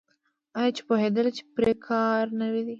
آیا چې پوهیدل پرې پکار نه دي؟